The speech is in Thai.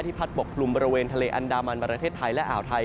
พัดปกกลุ่มบริเวณทะเลอันดามันประเทศไทยและอ่าวไทย